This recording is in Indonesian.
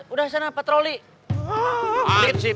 udah sana patroli